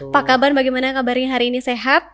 pak kaban bagaimana kabarnya hari ini sehat